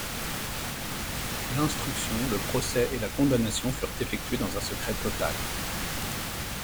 L'instruction, le procès et la condamnation furent effectués dans un secret total.